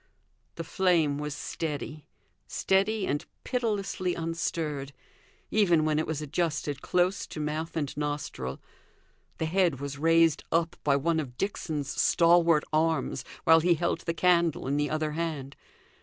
The flame was steady steady and pitilessly unstirred, even when it was adjusted close to mouth and nostril; the head was raised up by one of Dixon's stalwart arms, while he held the candle in the other hand.